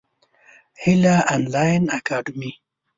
هیله انلاین اکاډمي.